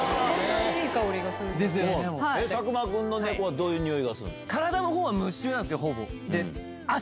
佐久間君の猫はどういう匂いがするの？